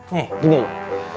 nih gini dulu